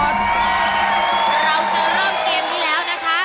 เราจะเริ่มเกมนี้แล้วนะคะ